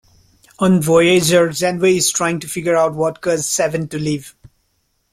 On "Voyager", Janeway is trying to figure out what caused Seven to leave.